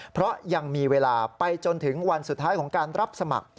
เพราะยังมีเวลาไปจนถึงวันสุดท้ายของการรับสมัคร